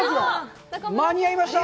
間に合いました！